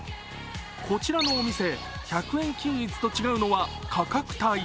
こちらのお店、１００円均一と違うのは価格帯。